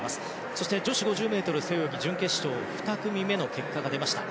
そして女子５０ｍ自由形準決勝２組目の結果が出ました。